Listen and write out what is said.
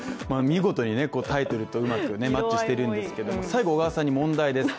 見事にタイトルとうまくマッチしているんですけど最後、小川さんに問題です。